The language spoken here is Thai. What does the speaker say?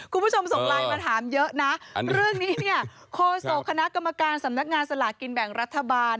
คุณผู้ชมส่งไลน์มาถามเยอะนะเรื่องนี้เนี่ยโคศกคณะกรรมการสำนักงานสลากินแบ่งรัฐบาล